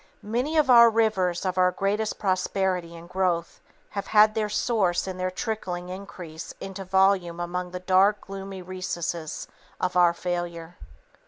Many of the rivers of our greatest prosperity and growth have had their source and their trickling increase into volume among the dark, gloomy recesses of our failure.